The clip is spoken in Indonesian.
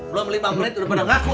belum lima menit udah pada ngaku